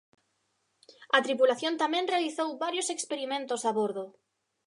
A tripulación tamén realizou varios experimentos a bordo.